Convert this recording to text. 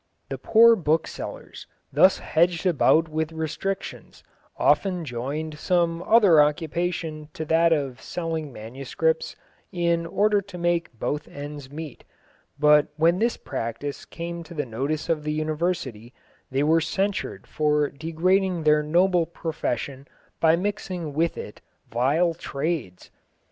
The poor booksellers, thus hedged about with restrictions, often joined some other occupation to that of selling manuscripts in order to make both ends meet, but when this practice came to the notice of the University they were censured for degrading their noble profession by mixing with it "vile trades."